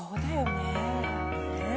ねえ。